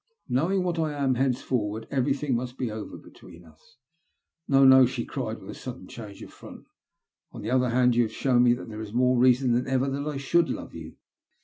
'' Knowing what I am, henceforward everything must be over between us." '' No, no !" she cried, with a sudden change of front. On the other hand, you have shown me that there is more reason than ever that I should love you.